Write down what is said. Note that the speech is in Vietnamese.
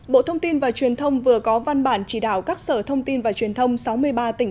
bộ thông tin và truyền thông vừa có văn bản chỉ đạo các sở thông tin và truyền thông sáu mươi ba tỉnh